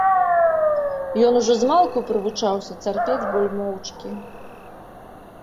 Ён ужо змалку прывучаўся цярпець боль моўчкі.